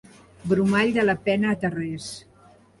Bromall de la Pena a Tarrés.